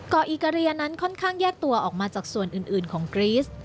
อิกาเรียนั้นค่อนข้างแยกตัวออกมาจากส่วนอื่นของกรีส